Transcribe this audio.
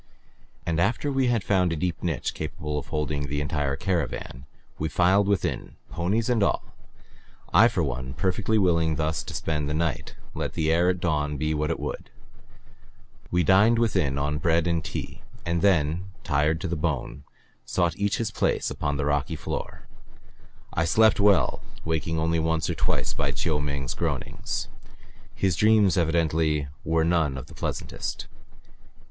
And after we had found a deep niche capable of holding the entire caravan we filed within, ponies and all, I for one perfectly willing thus to spend the night, let the air at dawn be what it would. We dined within on bread and tea, and then, tired to the bone, sought each his place upon the rocky floor. I slept well, waking only once or twice by Chiu Ming's groanings; his dreams evidently were none of the pleasantest.